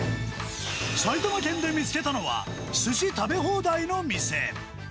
埼玉県で見つけたのは、すし食べ放題の店。